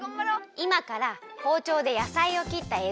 いまからほうちょうでやさいを切ったえい